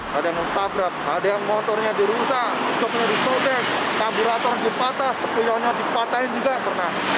kadang ditabrak kadang motornya dirusak jodohnya disodek kaburator dipatas sepionnya dipatahin juga pernah